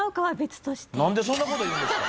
何でそんなこと言うんですか。